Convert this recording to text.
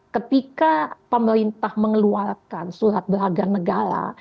ketika pemerintah mengeluarkan surat belagar negara